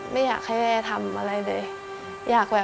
ไม่อยากให้แม่ทำอะไรเลย